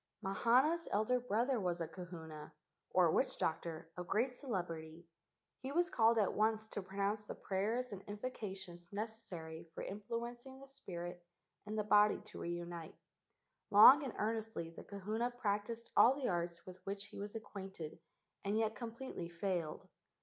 Mahana's elder brother was a kahuna, or witch¬ doctor, of great celebrity. He was called at once to pronounce the prayers and invocations neces¬ sary for influencing the spirit and the body to reunite. Long and earnestly the kahuna practised all the arts with which he was acquainted and yet completely failed.